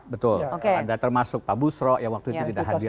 betul ada termasuk pak busro yang waktu itu tidak hadir